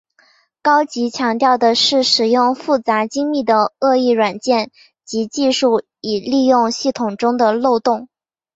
高级强调的是使用复杂精密的恶意软件及技术以利用系统中的漏洞。